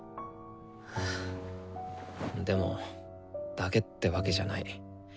でも「だけ」ってわけじゃない。